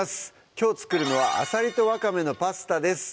きょう作るのは「アサリとわかめのパスタ」です